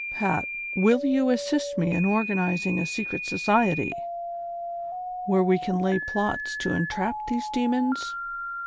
" Pat, will you assist me in organizing a secret society, where we can lay plots to entrap these demons